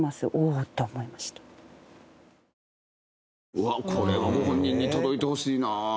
うわっこれはご本人に届いてほしいな。